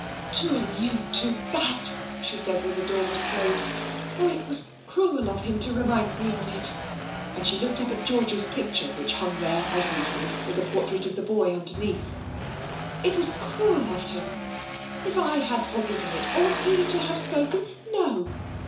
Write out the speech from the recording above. "To allude to THAT!" she said, when the door was closed. "Oh, it was cruel of him to remind me of it," and she looked up at George's picture, which hung there as usual, with the portrait of the boy underneath. "It was cruel of him. If I had forgiven it, ought he to have spoken? No.